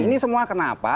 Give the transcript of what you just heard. ini semua kenapa